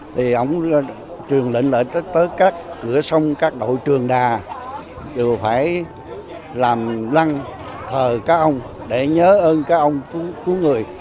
thì ông trường lệnh lệnh tới các cửa sông các đội trường đà đều phải làm lăn thờ cá ông để nhớ ơn cá ông cứu người